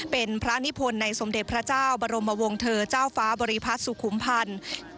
เป็นพระนิพนธ์ในสมเด็จพระเจ้าบรมวงเถอร์เจ้าฟ้าบริพัฒน์สุขุมพันธ์